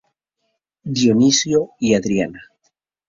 Dioniso y Ariadna.